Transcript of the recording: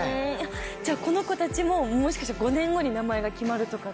じゃあこの子たちももしかしたら５年後に名前が決まるとか？